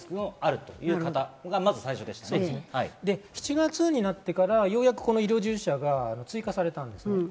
７月になってからようやく医療従事者が追加されたんです。